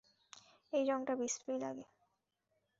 এই রঙটা বিশ্রী লাগে।